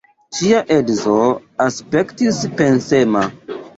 Ŝia edzo aspektis pensema.